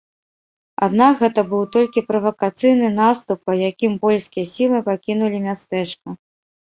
Аднак гэта быў толькі правакацыйны наступ, па якім польскія сілы пакінулі мястэчка.